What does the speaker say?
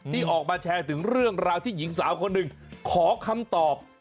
ที่ออกมาแชร์ถึงเรื่องราวที่หญิงสาวคนหนึ่งขอคำตอบ